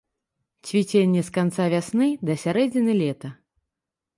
Цвіценне з канца вясны да сярэдзіны лета.